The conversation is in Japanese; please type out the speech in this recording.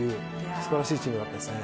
すばらしいチームだったですね。